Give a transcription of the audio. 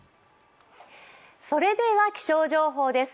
それでは気象情報です。